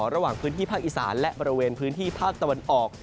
ระหว่างพื้นที่ภาคอีสานและบริเวณพื้นที่ภาคตะวันออก